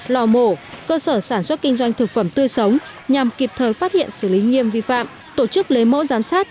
lò mổ cơ sở sản xuất kinh doanh thực phẩm tươi sống nhằm kịp thời phát hiện xử lý nghiêm vi phạm tổ chức lấy mẫu giám sát